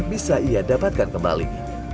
bisa ia dapatkan kembali